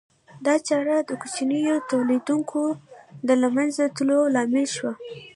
دا چاره د کوچنیو تولیدونکو د له منځه تلو لامل شوه